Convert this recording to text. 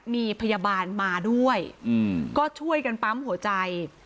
มีพยาบาลมาด้วยก็ช่วยกันปั๊มหัวใจ